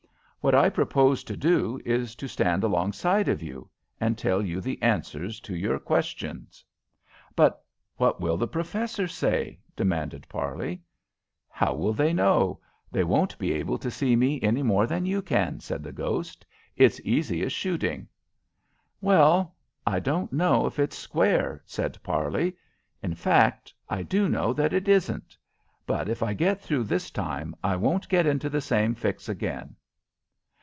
What I propose to do is to stand alongside of you, and tell you the answers to your questions." "But what will the professors say?" demanded Parley. "How will they know? They won't be able to see me any more than you can," said the ghost. "It's easy as shooting." "Well, I don't know if it's square," said Parley. "In fact, I do know that it isn't; but if I get through this time I won't get into the same fix again."